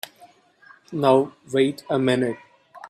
Now wait a minute!